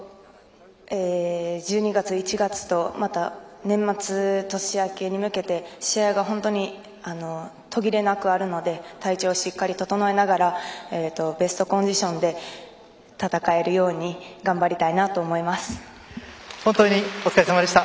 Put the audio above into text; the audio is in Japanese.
１２月、１月とまた年末、年明けに向けて試合が本当に途切れなくあるので体調をしっかり整えながらベストコンディションで戦えるように本当にお疲れさまでした。